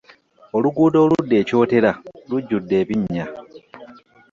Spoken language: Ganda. Oluguudo oludda e Kyotera lujjudde ebinnya.